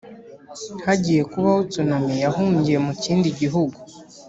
hagiye kubaho tsunami yahungiye mu kindi gihugu